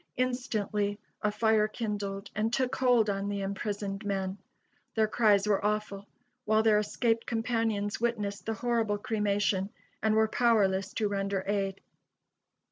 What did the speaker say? Instantly a fire kindled and took hold on the imprisoned men. Their cries were awful, while their escaped companions witnesssed the horrible cremation and were powerless to render aid.